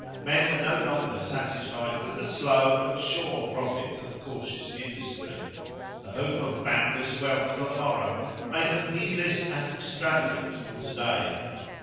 Men were no longer satisfied with the slow but sure profits of cautious industry. The hope of boundless wealth for the morrow made them heedless and extravagant for to day.